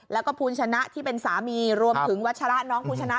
แล้วก็ภูลชนะที่เป็นสามีรวมถึงวัชระน้องภูชนะ